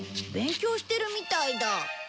勉強してるみたいだ。